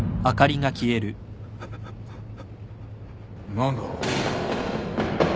何だ？